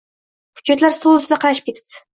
Hujjatlar stol ustida qalashib ketibdi